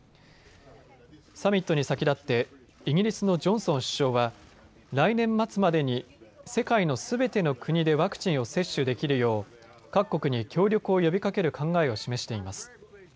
サミットに先立ってイギリスのジョンソン首相は来年末までに世界のすべての国でワクチンを接種できるよう各国に協力を呼びかける考えを示しています。